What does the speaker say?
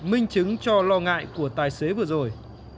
minh chứng cho lo ngại của tài xế vừa rồi